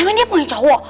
emang dia punya cowok